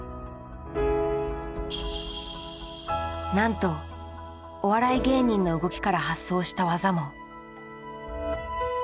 なんとお笑い芸人の動きから発想した技も。